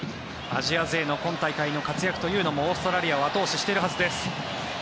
アジア勢の今大会の活躍というのもオーストラリアを後押ししてるはずです。